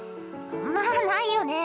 まあないよね。